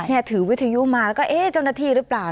นี่ถือวิทยุมาแล้วก็เอ๊ะเจ้าหน้าที่หรือเปล่า